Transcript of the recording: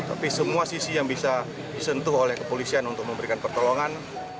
tapi semua sisi yang bisa disentuh oleh kepolisian untuk memberikan pertolongan